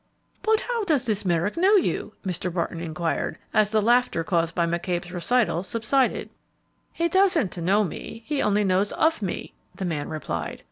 "But how does this Merrick know you?" Mr. Barton inquired, as the laughter caused by McCabe's recital subsided. "He doesn't know me, he only knows of me," the man replied.